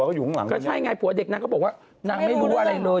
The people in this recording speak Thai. ก็ใช่ไงปั่วเด็กนักก็บอกว่านักไม่รู้อะไรเลย